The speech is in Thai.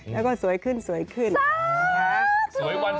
แล้วก็สวยขึ้นสวยวันสวยขึ้น